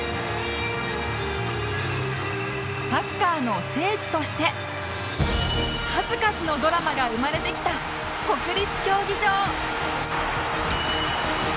サッカーの聖地として数々のドラマが生まれてきた国立競技場